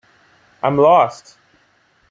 I am lost!